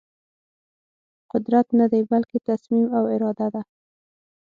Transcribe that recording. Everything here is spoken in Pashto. قدرت ندی بلکې تصمیم او اراده ده.